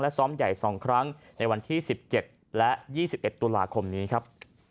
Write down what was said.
ซ้อมใหญ่๒ครั้งในวันที่๑๗และ๒๑ตุลาคมนี้ครับ